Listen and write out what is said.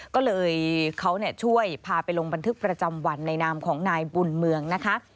ก็เลยเขาช่วยพาไปลงบันทึกประจำวันในนามของนายบุญเมืองนะคะ